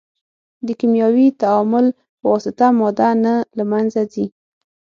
د کیمیاوي تعامل په واسطه ماده نه له منځه ځي.